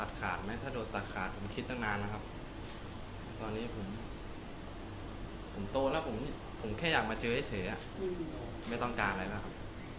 ไหมถ้าโดนตัดขาดผมคิดตั้งนานแล้วครับตอนนี้ผมโตแล้วผมแค่อยากมาเจอเฉยไม่ต้องการอะไรแล้วครับ